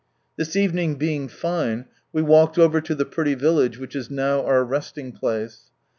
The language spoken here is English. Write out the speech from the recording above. This evening being fine, we walked over to the pretty village which is now our resting place.